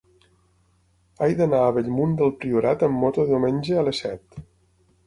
He d'anar a Bellmunt del Priorat amb moto diumenge a les set.